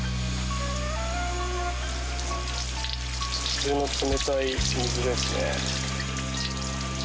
普通の冷たい水ですね。